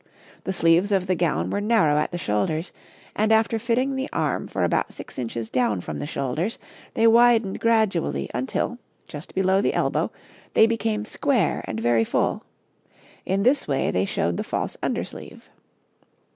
The sleeves of the gown were narrow at the shoulders, and after fitting the arm for about six inches down from the shoulders, they widened gradually until, just below the elbow, they became square and very full; in this way they showed the false under sleeve.